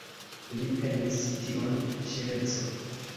Li penis tion ŝerco.